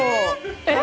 えっ！？